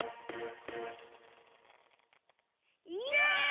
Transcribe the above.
イエイ！